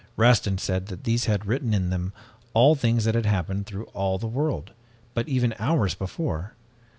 Rastin said that these had written in them all things that had happened through all the world, even but hours before.